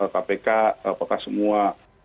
kpk apakah semua